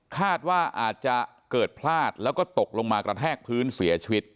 คาดว่าอาจจะเกิดพลาดแล้วก็ตกลงมากระแทกพื้นเสียชีวิต